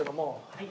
はい。